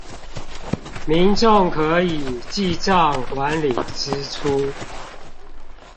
民眾可以記帳管理支出